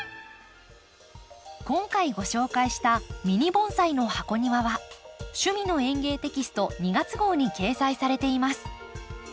今回ご紹介した「ミニ盆栽の箱庭」は「趣味の園芸」テキスト２月号に掲載されています。